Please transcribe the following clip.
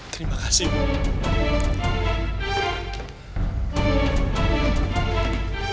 terima kasih bu